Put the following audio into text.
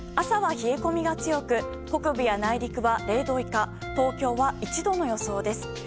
朝は冷え込みが強く北部や内陸は０度以下東京は１度の予想です。